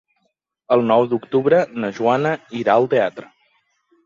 El nou d'octubre na Joana irà al teatre.